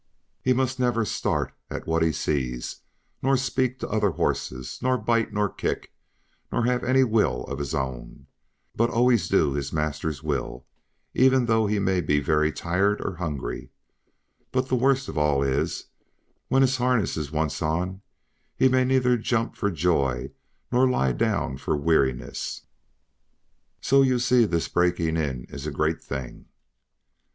He must never start at what he sees, nor speak to other horses, nor bite, nor kick, nor have any will of his own, but always do his master's will, even though he may be very tired or hungry; but the worst of all is, when his harness is once on, he may neither jump for joy nor lie down for weariness. So you see this breaking in is a great thing.